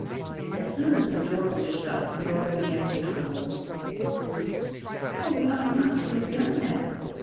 As soon as the door was shut, the girl began to tremble. "Oh, we ought not to have done that!"